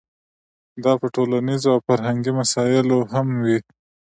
دا په ټولنیزو او فرهنګي مسایلو هم وي.